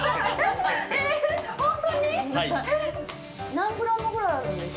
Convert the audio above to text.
何グラムくらいあるんですか。